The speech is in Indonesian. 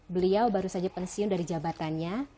beliau baru saja pensiun dari jabatannya